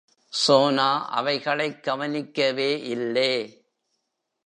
சோனா அவைகளைக் கவனிக்கவே இல்லே.